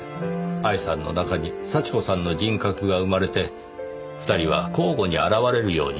愛さんの中に幸子さんの人格が生まれて２人は交互に現れるようになったそうです。